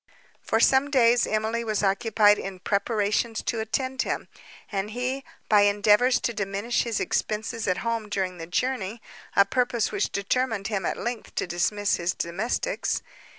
For some days Emily was occupied in preparations to attend him; and he, by endeavours to diminish his expences at home during the journey—a purpose which determined him at length to dismiss his domestics.